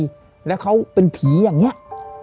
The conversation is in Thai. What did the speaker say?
ใช่นะโอเคนะเลย